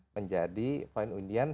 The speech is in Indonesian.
menjadi poin undian